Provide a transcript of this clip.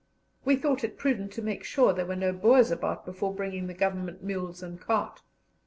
We thought it prudent to make sure there were no Boers about before bringing the Government mules and cart.